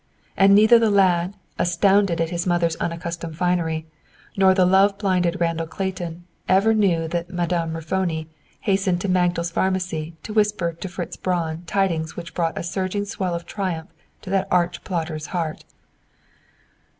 And neither the lad, astounded as his mother's unaccustomed finery, nor the love blinded Randall Clayton ever knew that "Madame Raffoni" hastened to Magdal's Pharmacy to whisper to Mr. Fritz Braun tidings which brought a surging swell of triumph into that arch plotter's heart.